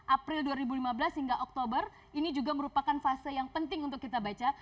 april dua ribu lima belas hingga oktober ini juga merupakan fase yang penting untuk kita baca